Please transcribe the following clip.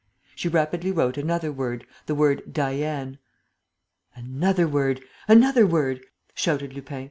She rapidly wrote another word, the word "DIANE." "Another word! ... Another word!" shouted Lupin.